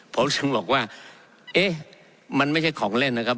เพราะฉะนั้นบอกว่าเอ๊ะมันไม่ใช่ของเล่นนะครับ